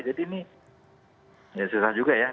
jadi ini ya susah juga ya